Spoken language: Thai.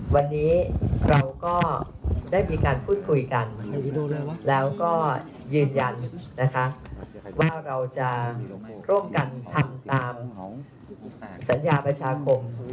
วันนี้เราก็ได้มีการพูดคุยกันแล้วก็ยืนยันนะคะว่าเราจะร่วมกันทำตามของสัญญาประชาคม